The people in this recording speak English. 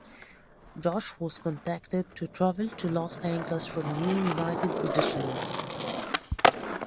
Josh was contacted to travel to Los Angeles for Now United auditions.